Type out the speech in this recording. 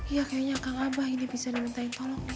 iya kayaknya kang abah ini bisa dimintain tolong nih